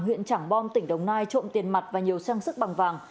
huyện trảng bom tỉnh đồng nai trộm tiền mặt và nhiều trang sức bằng vàng